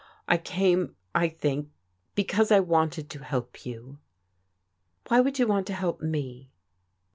I came, I think, be cause I wanted to help you." " Why should you want to help me?